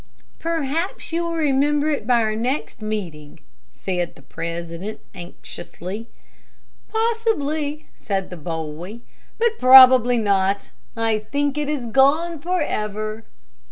"Perhaps you will remember it by our next meeting," said the president, anxiously. "Possibly", said the boy, "but probably not. I think it is gone forever."